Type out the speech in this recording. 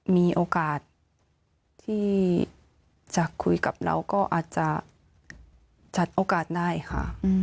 มีโอกาสที่จะคุยกับเราก็อาจจะจัดโอกาสได้ค่ะ